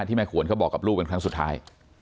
แม่ขวนเขาบอกกับลูกเป็นครั้งสุดท้าย